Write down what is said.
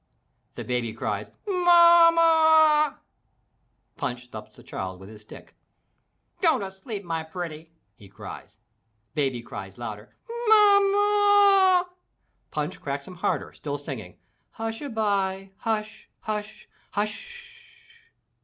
The Baby cries, "Mama a a a!" Punch thumps the child with his stick. "Go to sleep, my pretty!" he cries. Baby cries louder, "Mama a a a!" Punch whacks him harder still, singing, "Hush a bye! Hush! Hush! Hush sh sh!"